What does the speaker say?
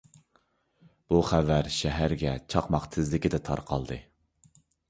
بۇ خەۋەر شەھەرگە چاقماق تېزلىكىدە تارقالدى.